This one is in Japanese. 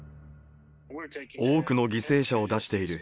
多くの犠牲者を出している。